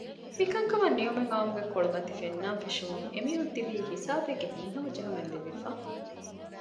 މިކަންކަމަށް ނިމުމެއް އައުމުގެ ކޮޅުމަތި ފެންނާން ފެށުމުން އެމީހުން ތިބީ ހިސާބެއްގެ ހިތްހަމަ ޖެހުމެއް ލިބިފަ